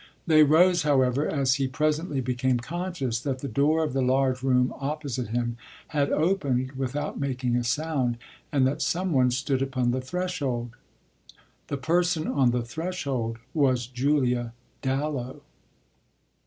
They rose, however, as he presently became conscious that the door of the large room opposite him had opened without making a sound and that some one stood upon the threshold. The person on the threshold was Julia Dallow.